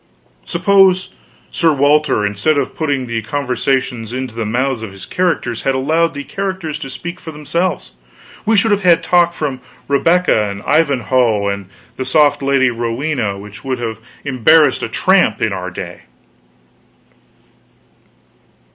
Suppose Sir Walter, instead of putting the conversations into the mouths of his characters, had allowed the characters to speak for themselves? We should have had talk from Rebecca and Ivanhoe and the soft lady Rowena which would embarrass a tramp in our day.